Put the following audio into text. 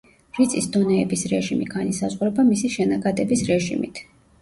რიწის დონეების რეჟიმი განისაზღვრება მისი შენაკადების რეჟიმით.